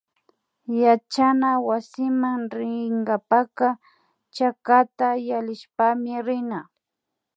Yachana wasiman rinkapaka chakata yallishpami rina